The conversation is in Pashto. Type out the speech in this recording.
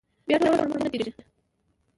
بیا ټوله ورځ پر ما ښه نه تېرېږي.